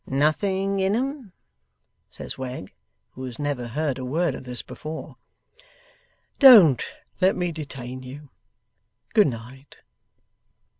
'Nothing in 'em,' says Wegg, who has never heard a word of this before. 'Don't let me detain you. Good night!